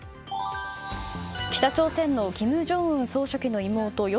北朝鮮の金正恩総書記の妹与